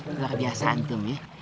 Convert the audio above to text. tidak biasa antum ya